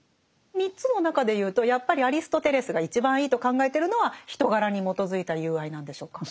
３つの中で言うとやっぱりアリストテレスが一番いいと考えてるのは人柄に基づいた友愛なんでしょうか？